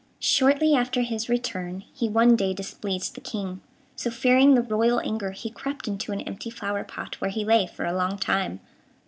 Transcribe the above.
Shortly after his return, he one day displeased the King, so, fearing the royal anger, he crept into an empty flower pot, where he lay for a long time.